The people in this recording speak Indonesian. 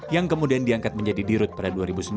yang kemudian diangkat menjadi dirut pada dua ribu sembilan